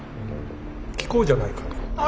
聞こうじゃないかと。